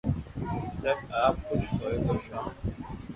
بسب آپ خوݾ ھوݾ ھونن